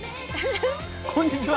こんにちは！